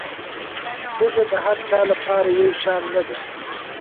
هوږه د هر چا لپاره یو شان نه ده.